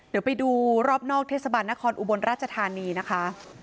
เดี๋ยวไปดูรอบนอกเทศบาลนครอุบลราชธานีนะคะ